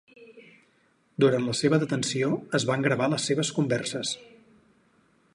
Durant la seva detenció, es van gravar les seves converses.